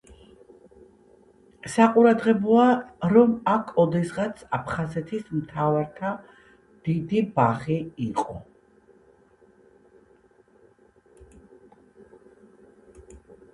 საყურადღებოა, რომ აქ ოდესღაც აფხაზეთის მთავართა დიდი ბაღი იყო.